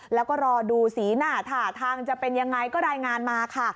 แล้วก็รอดูสีหน้าท่าทางจะเป็นยังไงก็รายงานมาค่ะ